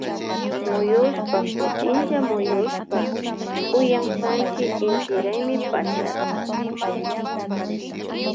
Muyushpa kutinlla muyushpa uyansanchi inti raymi pachata.